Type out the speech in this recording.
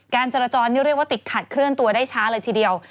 จรจรนี่เรียกว่าติดขัดเคลื่อนตัวได้ช้าเลยทีเดียว